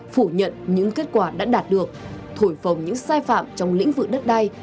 phủ nhận những kết quả đã đạt được thổi phồng những sai phạm trong lĩnh vực đất đai